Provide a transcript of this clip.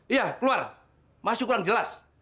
iya keluar masih kurang jelas